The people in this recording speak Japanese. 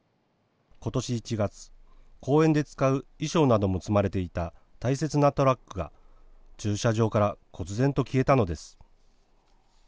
ことし１月、公演で使う衣装なども積まれていた大切なトラックが、駐車場からこつ然と消えたのです。